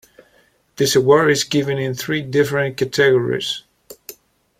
This award is given in three different categories.